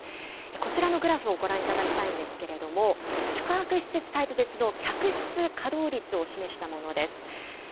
こちらのグラフをご覧いただきたいんですけれども、宿泊施設タイプ別の客室稼働率を示したものです。